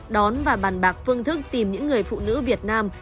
đón và bàn bạc phương thức tìm những người phụ nữ việt nam